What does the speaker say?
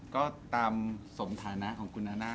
ก็ตามสมฐรณาของกุ้นนา